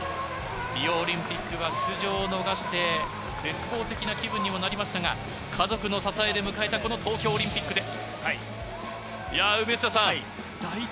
リオオリンピックは出場を逃して、絶望的な気分にもなりましたが、家族の支えで迎えたこの東京オリンピックです。